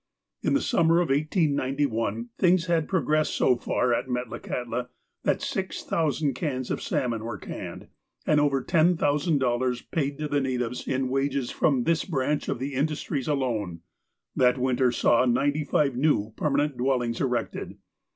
In the summer of 1891, things had progressed so far at Metlakahtla, that 6, 000 cans of salmon were canned, and over $10,000 paid to the natives in wages from this branch of the industries alone. That winter saw ninety five new, permanent dwellings erected.